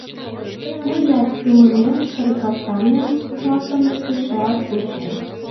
Мыят семынем шергаканем-влакым эшеат вучем...